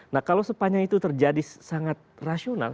nah kalau sepanjang itu terjadi sangat rasional